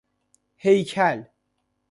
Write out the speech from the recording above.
هیکل